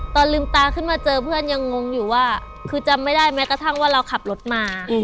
ตอนลืมตาขึ้นมาเจอเพื่อนยังงงอยู่ว่าคือจำไม่ได้แม้กระทั่งว่าเราขับรถมา